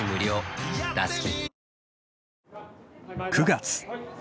［９月］